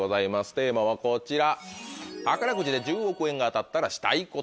テーマはこちら。